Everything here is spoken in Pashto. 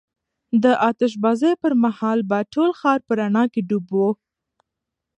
د آتش بازۍ پر مهال به ټول ښار په رڼا کې ډوب و.